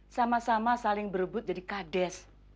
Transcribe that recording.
sama sama saling berebut jadi kades